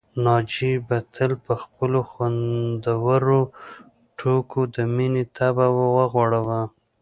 ناجيې به تل په خپلو خوندورو ټوکو د مينې طبع وغوړاوه